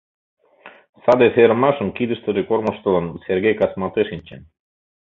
Саде серымашым кидыштыже кормыжтылын, Серге кас марте шинчен.